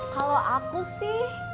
kalau aku sih